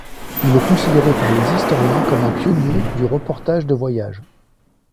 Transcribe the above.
Il est considéré par les historiens comme un pionnier du reportage de voyages.